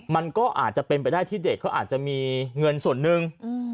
มันก็อาจจะเป็นไปได้ที่เด็กเขาอาจจะมีเงินส่วนหนึ่ง